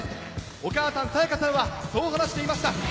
お母さんの清香さんは、そう話していました。